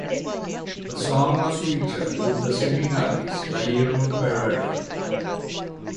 The song was featured with the singing artist Lahiru Perera.